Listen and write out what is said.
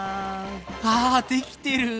ああできてる。